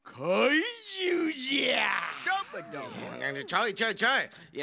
ちょいちょいちょい！